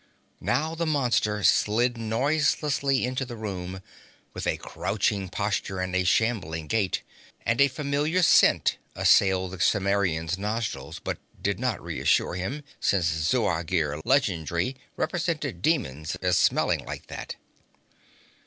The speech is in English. Now the monster slid noiselessly into the room, with a crouching posture and a shambling gait; and a familiar scent assailed the Cimmerian's nostrils, but did not reassure him, since Zuagir legendry represented demons as smelling like that.